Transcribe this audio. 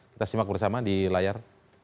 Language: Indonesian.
kita simak bersama di layar